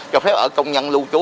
cho phép ở công nhân lưu trú